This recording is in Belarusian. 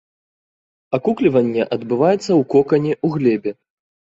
Акукліванне адбываецца ў кокане ў глебе.